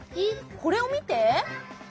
これをみて！